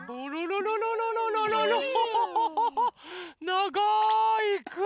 ながいくび！